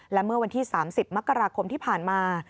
และเมื่อวันที่๓๐มกราคมที่ผ่านมา